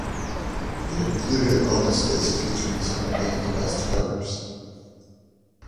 It included a bonus disc featuring some of the band's best covers.